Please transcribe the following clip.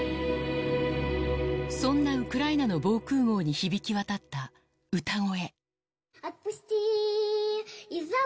そんなウクライナの防空ごうに響き渡った歌声。